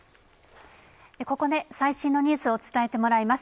ここで最新のニュースを伝えてもらいます。